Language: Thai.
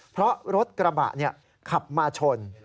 เพราะรถกระบะขับมาชน